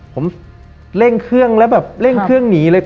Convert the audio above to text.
ผมเร่งเครื่องแล้วแบบเร่งเครื่องหนีเลย